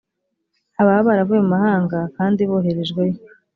ababa baravuye mu mahanga kandi boherejweyo